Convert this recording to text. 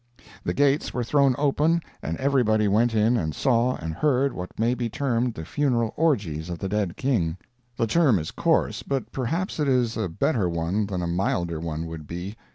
The gates were thrown open and everybody went in and saw and heard what may be termed the funeral orgies of the dead King. The term is coarse, but perhaps it is a better one than a milder one would be.